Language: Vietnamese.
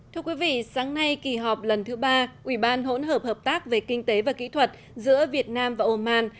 thưa quý vị sáng nay kỳ họp lần thứ ba ủy ban hỗn hợp hợp tác về kinh tế và kỹ thuật giữa việt nam và oman